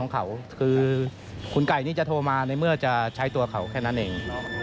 เขาคือคุณไก่นี่จะโทรมาในเมื่อจะใช้ตัวเขาแค่นั้นเอง